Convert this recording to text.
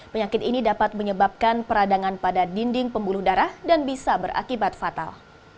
penyakit ini dapat menyebabkan peradangan pada dinding pembuluh darah dan bisa berakibat fatal